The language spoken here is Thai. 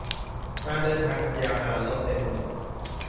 การเดินทางอันยาวนาน รถเต็มถนน